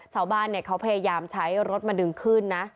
ชาวบ้านเขาพยายามใช้รถมาดึงขึ้นนะ